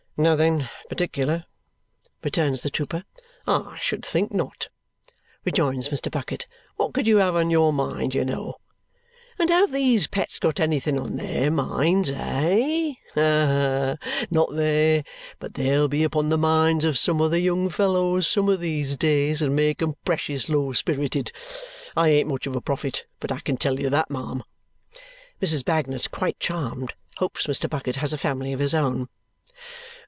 "Nothing particular," returns the trooper. "I should think not," rejoins Mr. Bucket. "What could you have on your mind, you know! And have these pets got anything on THEIR minds, eh? Not they, but they'll be upon the minds of some of the young fellows, some of these days, and make 'em precious low spirited. I ain't much of a prophet, but I can tell you that, ma'am." Mrs. Bagnet, quite charmed, hopes Mr. Bucket has a family of his own.